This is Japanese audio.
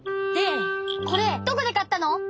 でこれどこでかったの！